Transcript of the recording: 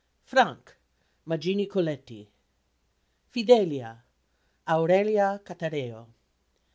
Frank MAGINI COLETTI. Fidelia AURELIA CATAREO.